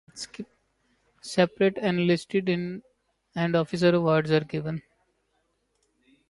Separate enlisted and officer awards are given.